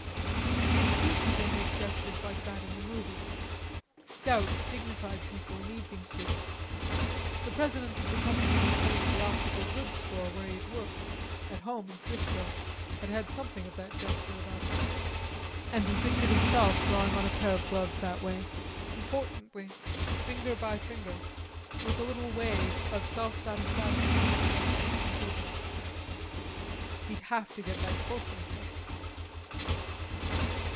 He had seen peoople make gestures like that in the movies, stout dignified people in evening suits. The president of the Company that owned the optical goods store, where he had worked, at home in Frisco, had had something of that gesture about him. And he pictured himself drawing on a pair of gloves that way, importantly, finger by finger, with a little wave, of self satisfaction when the gesture was completed.... He'd have to get that corporalship.